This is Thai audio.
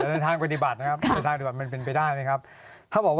จะได้ทางปฏิบัตินะครับทางปฏิบัติมันเป็นไปได้ไหมครับ